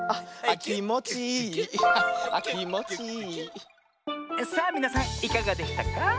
「きもちいい」さあみなさんいかがでしたか？